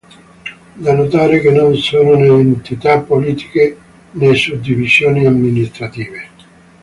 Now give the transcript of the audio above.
Da notare che non sono né entità politiche né suddivisioni amministrative.